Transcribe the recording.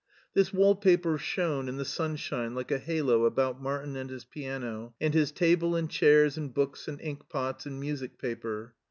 This wall paper shone in the sun shine like a halo about Martin and his piano, and his table and chairs and books and ink pots and music paper.